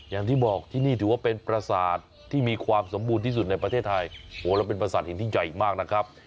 อย่างที่บอกที่นี่ถือว่าเป็นประสาทที่มีความสมบูรณ์ที่สุดในประเทศไทยโอ้โหแล้วเป็นประสาทหินที่ใหญ่มากนะครับ